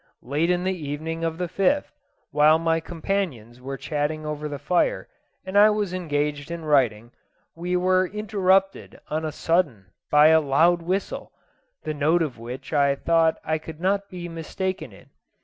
Late in the evening of the 5th, while my companions were chatting over the fire, and I was engaged in writing, we were interrupted on a sudden by a loud whistle, the note of which I thought I could not be mistaken in.